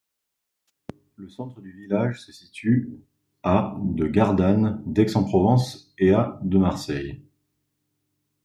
Le centre du village se situe à de Gardanne, d'Aix-en-Provence et à de Marseille.